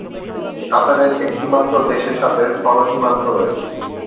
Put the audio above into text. কাতারের একটি মাত্র দেশের সাথে স্থল সীমান্ত রয়েছে।